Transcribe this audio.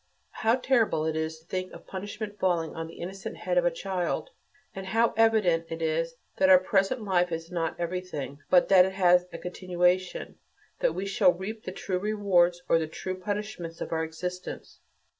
How terrible it is to think of punishment falling on the innocent head of a child! and how evident it is that our present life is not everything, but that it has a continuation, when we shall reap the true rewards or the true punishments of our existence.